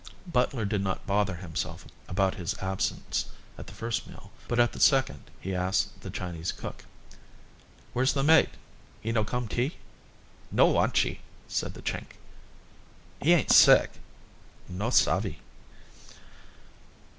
Butler did not bother himself about his absence at the first meal, but at the second he asked the Chinese cook: "Where's the mate? He no come tea?" "No wantchee," said the Chink. "He ain't sick?" "No savvy."